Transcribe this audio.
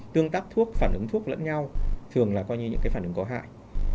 tương tác thuốc phản ứng thuốc lẫn nhau thường là coi như những cái phản ứng có hại